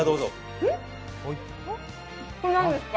これ、何ですか？